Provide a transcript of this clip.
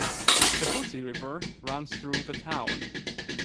The Fuji River runs through the town.